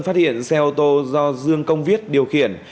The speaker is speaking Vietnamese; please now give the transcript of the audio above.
phát hiện xe ô tô do dương công viết điều khiển